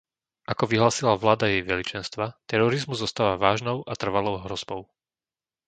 Ako vyhlásila vláda Jej Veličenstva, terorizmus zostáva vážnou a trvalou hrozbou.